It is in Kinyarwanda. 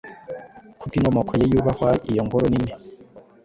Kubwinkomoko ye yubahwa iyo ingoro nini